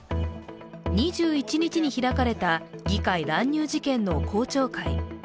２１日に開かれた議会乱入事件の公聴会。